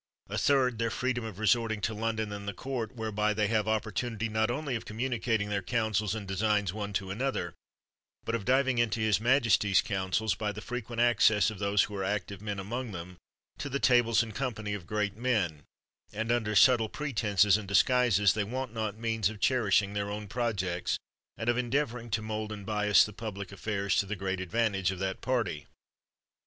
A third, their freedom of resorting to London and the court, whereby they have opportunity, not only of communicating their counsels and designs, one to another, but of diving into his majesty's counsels, by the frequent access of those who are active men among them, to the tables and company of great men; and under subtle pretenses and disguises they want not means of cherishing their own projects and of endeavoring to mold and bias the public affairs to the great advantage of that party.